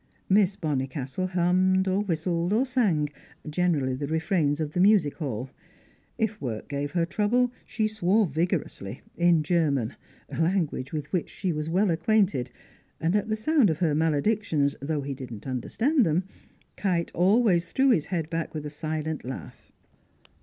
Miss Bonnicastle hummed, or whistled, or sang, generally the refrains of the music hall; if work gave her trouble she swore vigorously in German, a language with which she was well acquainted and at the sound of her maledictions, though he did not understand them, Kite always threw his head back with a silent laugh.